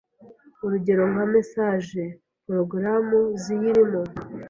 urugero nka mesaje, porogaramu ziyirimo,